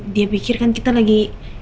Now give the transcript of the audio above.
dia pikir kan kita lagi